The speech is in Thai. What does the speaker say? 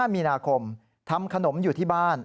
มีนาคมทำขนมอยู่ที่บ้าน